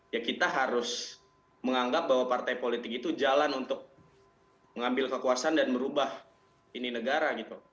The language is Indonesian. ya kita harus menganggap bahwa partai politik itu jalan untuk mengambil kekuasaan dan merubah ini negara gitu